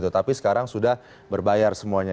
tapi sekarang sudah berbayar semuanya